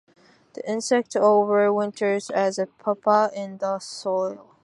The insect overwinters as a pupa in the soil.